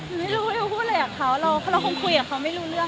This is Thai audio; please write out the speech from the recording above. ไม่รู้เนี่ยพูดเลยแมนเราทุกคนเราคงคุยกับเค้าไม่รู้เรื่อง